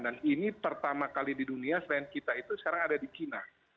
dan ini pertama kali di dunia selain kita itu sekarang ada di china